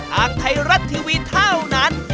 ทางไทยรัฐทีวีเท่านั้น